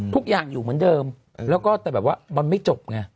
ทุกอย่างอยู่เหมือนเดิมแล้วก็แต่แบบว่ามันไม่จบไง